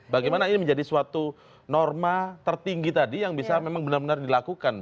bagaimana ini menjadi suatu norma tertinggi tadi yang bisa memang benar benar dilakukan